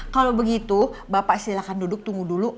kalau begitu bapak silakan duduk tunggu dulu